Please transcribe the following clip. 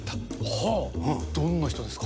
はあ、どんな人ですか。